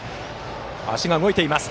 足が動いています。